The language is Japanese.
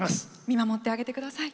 見守ってあげてください。